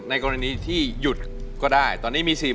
กรณีที่หยุดก็ได้ตอนนี้มี๔๐๐